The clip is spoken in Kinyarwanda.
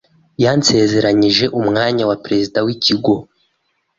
Yansezeranije umwanya wa perezida w'ikigo.